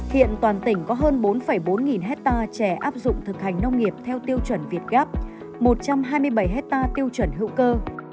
hiện toàn tỉnh có hơn bốn bốn nghìn hecta chè áp dụng thực hành nông nghiệp theo tiêu chuẩn việt gap một trăm hai mươi bảy hecta tiêu chuẩn hữu cơ